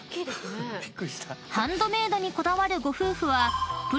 ［ハンドメードにこだわるご夫婦は］